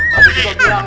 kamu juga bilang